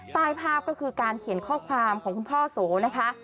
ใต้ภาพก็คือการเขียนข้อความของคุณพ่อโสนะคะ